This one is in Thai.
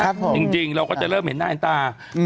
ครับผมจริงจริงเราก็จะเริ่มเห็นหน้าเห็นตาอืม